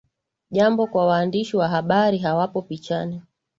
jambo kwa Waandishi wa Habari hawapo pichani